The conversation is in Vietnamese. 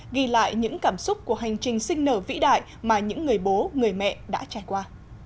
ghi lại những cảm xúc của hành trình sinh nở vĩ đại mà những người bố người mẹ đã trải qua